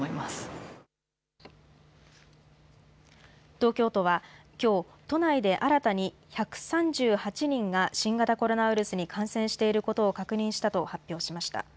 東京都はきょう、都内で新たに１３８人が新型コロナウイルスに感染していることを確認したと発表しました。